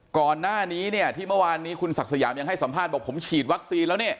ก่อนหน้านี้เนี่ยที่เมื่อวานนี้คุณศักดิ์สยามยังให้สัมภาษณ์บอกผมฉีดวัคซีนแล้วเนี่ย